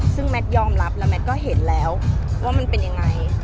ซึ่งแมทยอมรับแล้วแมทก็เห็นแล้วว่ามันเป็นยังไง